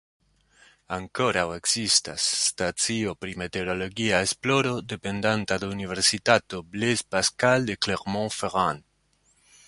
Ankoraŭ ekzistas stacio pri meteologia esploro dependanta de universitato Blaise Pascal de Clermont-Ferrand.